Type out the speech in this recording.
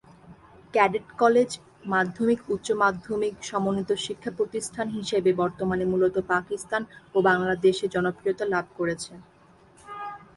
Cadet college মাধ্যমিক-উচ্চ মাধ্যমিক সমন্বিত শিক্ষা প্রতিষ্ঠান হিসেবে বর্তমানে মূলত পাকিস্তান ও বাংলাদেশে জনপ্রিয়তা লাভ করেছে।